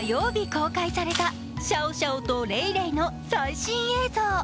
公開されたシャオシャオとレイレイの最新映像。